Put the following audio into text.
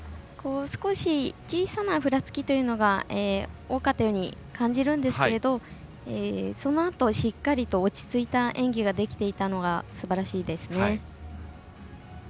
小さなふらつきというのが多かったように感じるんですけどそのあとしっかりと落ち着いた演技ができていたのがすばらしいですね。